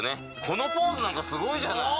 このポーズなんかすごいじゃない！